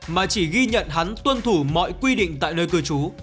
mà chỉ ghi nhận hắn tuân thủ mọi quy định tại nơi cư trú